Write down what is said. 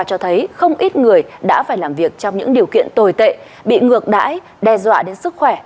cho thấy không ít người đã phải làm việc trong những điều kiện tồi tệ bị ngược đãi đe dọa đến sức khỏe